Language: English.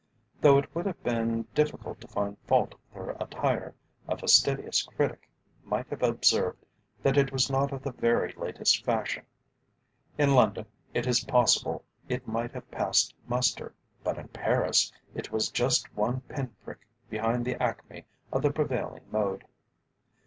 Though it would have been difficult to find fault with her attire, a fastidious critic might have observed that it was not of the very latest fashion. In London, it is possible it might have passed muster, but in Paris it was just one pin prick behind the acme of the prevailing mode.